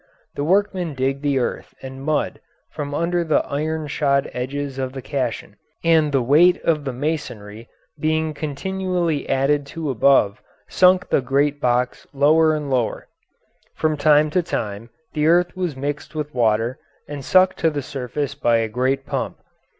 The workmen dug the earth and mud from under the iron shod edges of the caisson, and the weight of the masonry being continually added to above sunk the great box lower and lower. From time to time the earth was mixed with water and sucked to the surface by a great pump.